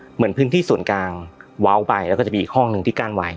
เหมือนพื้นที่ส่วนกลางว้าวไปแล้วก็จะมีอีกห้องหนึ่งที่กั้นไว้